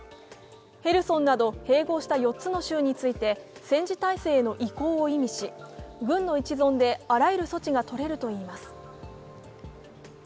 ヘルソンなど併合した４つの州について戦時体制への移行を意味し軍の一存であらゆる措置がとれるといいます。